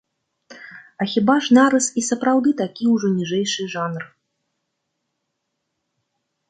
А хіба ж нарыс і сапраўды такі ўжо ніжэйшы жанр?